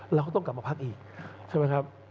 เราก็ต้องกลับมาพักอีกใช่ไหมครับ